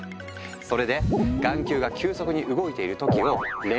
それで眼球が急速に動いている時を「レム睡眠」